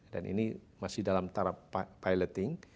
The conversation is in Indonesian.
dan ini masih dalam tarap piloting